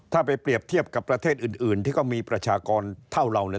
ถ้าไปเปรียบเทียบกับประเทศอื่นที่เขามีประชากรเท่าเรา